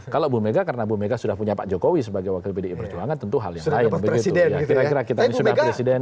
kalau bu mega karena bu mega sudah punya pak jokowi sebagai wakil bdi perjuangan tentu hal yang lain